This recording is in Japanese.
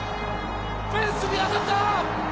フェンスに当たった！